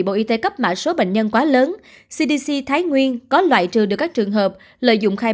bộ y tế cấp mã số bệnh nhân quá lớn cdc thái nguyên có loại trừ được các trường hợp lợi dụng khai